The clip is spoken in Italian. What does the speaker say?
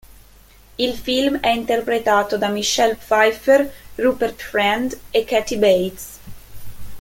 Il film è interpretato da Michelle Pfeiffer, Rupert Friend e Kathy Bates.